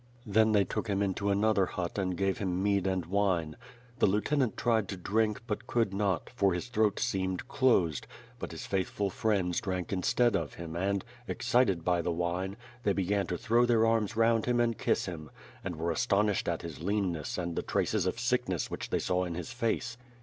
Then they took him into another hut and gave him mead and wine. The lieutenant tried to drink, but could not, for his throat seemed closed, but his faithful friends drank in stead of him and, excited by the wine, they began to throw their arms round him and kiss him, and were astonished at 294 ^'^^^^^^"^^^ SWORD. his leanness and the traces of sickness which they saw in his face.